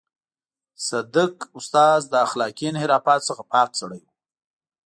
صدک استاد له اخلاقي انحرافاتو څخه پاک سړی و.